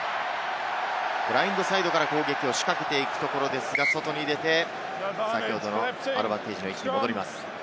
ラインサイドから攻撃を仕掛けていくところですが、外に出てアドバンテージの位置に戻ります。